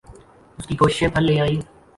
اس کی کوششیں پھل لے آئیں۔